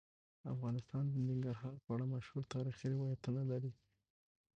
افغانستان د ننګرهار په اړه مشهور تاریخی روایتونه لري.